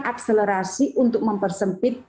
akselerasi untuk mempersempit